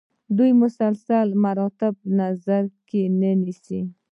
دوی سلسله مراتب په نظر کې نه نیسي.